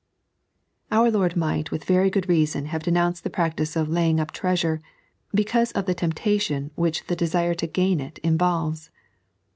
Our Lord might with good reason have denounced the practice of laying up treasure because of the temptation which the darire to gain it immheB.